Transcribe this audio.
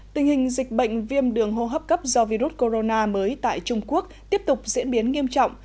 tình hình dịch bệnh viêm đường hô hấp cấp do virus corona mới tại trung quốc tiếp tục diễn biến nghiêm trọng